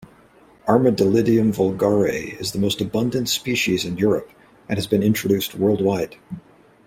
"Armadillidium vulgare" is the most abundant species in Europe and has been introduced worldwide.